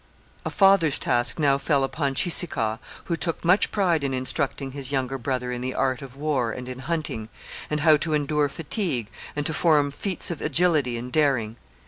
A father's task now fell upon Cheeseekau, who took much pride in instructing his younger brother in the art of war and in hunting, and how to endure fatigue and to perform feats of agility and daring.